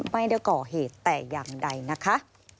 ไม่ได้ก่อเหตุแต่อย่างใดนะคะ